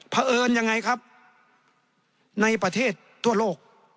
เพราะเอิญยังไงครับในประเทศทั่วโลก